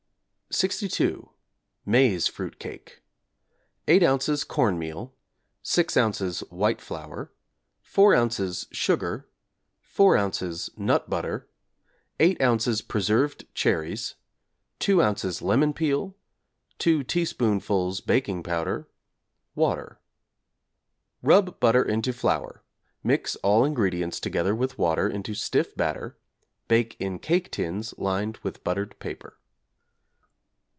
=62. Maize Fruit Cake= 8 ozs. corn meal, 6 ozs. white flour, 4 ozs. sugar, 4 ozs. nut butter, 8 ozs. preserved cherries, 2 ozs. lemon peel, 2 teaspoonfuls baking powder, water. Rub butter into flour, mix all ingredients together with water into stiff batter; bake in cake tins lined with buttered paper.